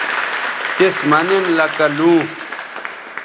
تِس مہ نن لکہ لوں